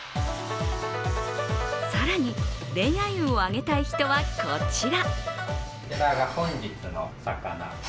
更に、恋愛運を上げたい人は、こちら。